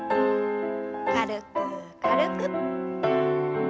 軽く軽く。